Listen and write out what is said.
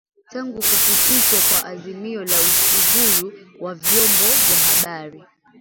tangu kupitishwa kwa azimio la uhuru wa vyombo vya habari